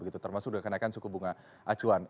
termasuk sudah kenaikan suku bunga acuan